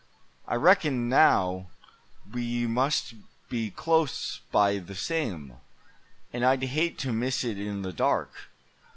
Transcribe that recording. I reckon, now, we must be close by the same; and I'd hate to miss it in the dark.